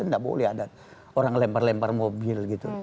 itu gak boleh ada orang lempar lempar mobil gitu